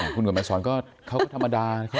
คุณกลับมาสอนก็เขาก็ธรรมดา